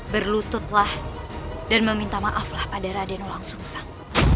berlututlah dan meminta maaflah pada raden wangsumsang